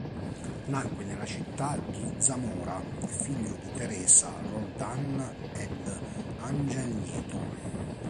Nacque nella città di Zamora, figlio di Teresa Roldán ed Ángel Nieto.